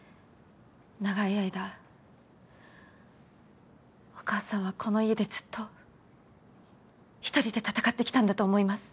長い間お母さんはこの家でずっと一人で闘ってきたんだと思います。